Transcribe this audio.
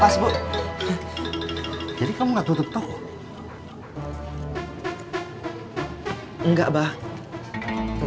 saya hitung dulu ya bu